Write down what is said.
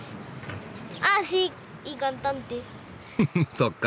そっか。